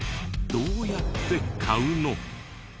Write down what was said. どうやって買うの？